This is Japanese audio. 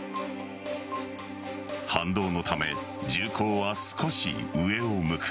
反動のため、銃口は少し上を向く。